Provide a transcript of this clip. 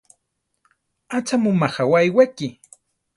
¿Acha mu majawá iwéki?